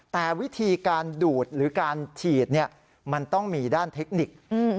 แต่วิธีการดูดหรือการฉีดมันต้องมีด้านเทคนิค